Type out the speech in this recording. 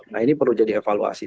nah ini perlu jadi evaluasi